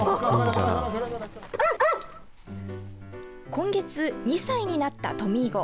今月、２歳になったトミー号。